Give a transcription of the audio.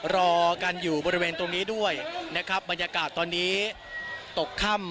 รอกันอยู่บริเวณตรงนี้ด้วยนะครับบรรยากาศตอนนี้ตกค่ำ